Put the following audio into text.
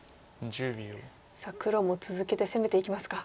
黒も続けて攻めていきますか。